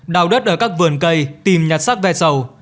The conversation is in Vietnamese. đào đất ở các vườn cây tìm nhặt xác vẹt sầu